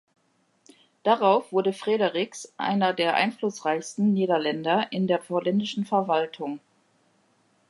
Darauf wurde Frederiks einer der einflussreichsten Niederländer in der holländischen Verwaltung.